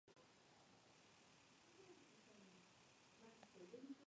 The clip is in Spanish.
Entonces trabaja y estudia.